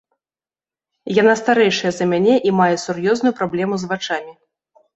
Яна старэйшая за мяне і мае сур'ёзную праблему з вачамі.